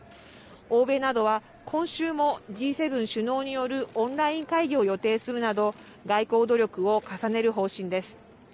欧米などは今週も、Ｇ７首脳によるオンライン会議を予定するなど、外交努力を重ねる方針です。